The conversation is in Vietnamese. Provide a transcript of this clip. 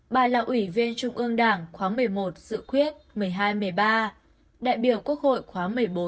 bà là ủy viên trung ương đảng khóa một mươi một giữ quyết một mươi hai một mươi ba đại biểu quốc hội khóa một mươi bốn một mươi năm